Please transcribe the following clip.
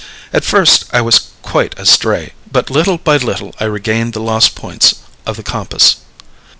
At first, I was quite astray, but little by little I regained the lost points of the compass.